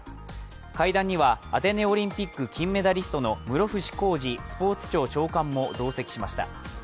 会談には、アテネオリンピック金メダリストの室伏広治スポーツ庁長官も同席しました。